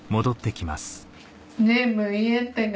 全部言えってか。